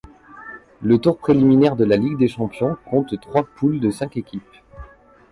Le tour préliminaire de la Ligue des Champions compte trois poules de cinq équipes.